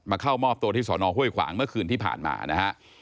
เข้ามอบตัวที่สอนอห้วยขวางเมื่อคืนที่ผ่านมานะฮะ